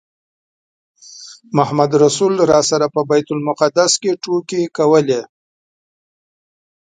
محمدرسول راسره په بیت المقدس کې ټوکې کولې.